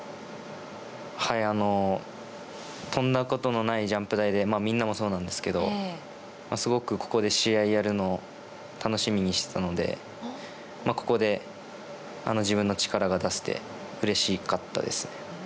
とんだことのないジャンプ台でみんなもそうなんですけどすごく、ここで試合やるのを楽しみにしてたのでここで自分の力が出せてうれしかったですね。